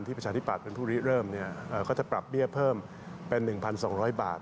ประชาธิปัตย์เป็นผู้ริเริ่มก็จะปรับเบี้ยเพิ่มเป็น๑๒๐๐บาท